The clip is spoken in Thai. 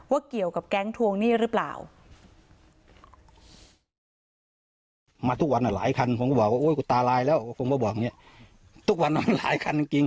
เกี่ยวกับแก๊งทวงหนี้หรือเปล่า